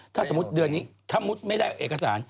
ถ้าสมมุติเดือนนี้ไม่ได้เอกสาร